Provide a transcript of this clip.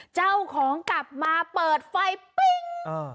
เจ้าของกลับมาเปิดไฟปิ้ง